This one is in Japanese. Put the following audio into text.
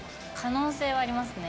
可能性はありますね。